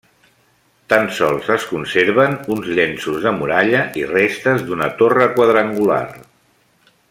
Tan sols es conserven uns llenços de muralla i restes d'una torre quadrangular.